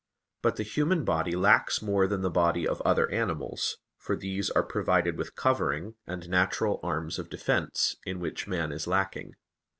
But the human body lacks more than the body of other animals, for these are provided with covering and natural arms of defense, in which man is lacking.